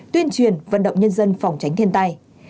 tuyên truyền vận động nhân dân phòng tránh thiên tai